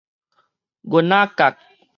銀仔角